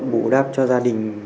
bụ đáp cho gia đình